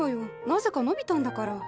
なぜか伸びたんだから。